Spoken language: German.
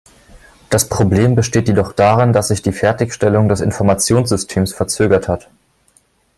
Das Problem besteht jedoch darin, dass sich die Fertigstellung des Informationssystems verzögert hat.